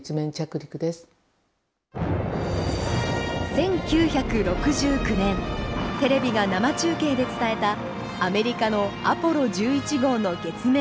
１９６９年テレビが生中継で伝えたアメリカのアポロ１１号の月面着陸。